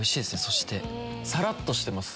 そしてさらっとしてます